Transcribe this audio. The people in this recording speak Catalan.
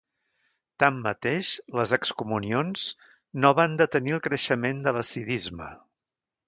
Tanmateix, les excomunions no van detenir el creixement de l'hassidisme.